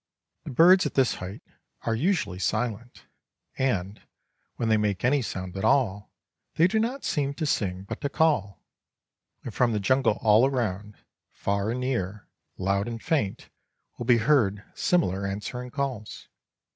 The birds at this height are usually silent, and, when they make any sound at all, they do not seem to sing but to call; and from the jungle all round, far and near, loud and faint, will be heard similar answering calls.